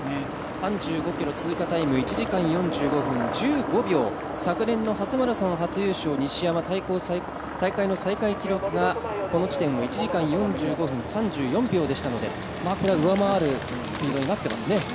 ３５ｋｍ通過タイム、１時間４５分１５秒、昨年の初マラソン初優勝、西山雄介大会の最高記録がこの地点、１時間４５分３４秒でしたので、これを上回るスピードになってますね。